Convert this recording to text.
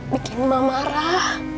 bikin emak marah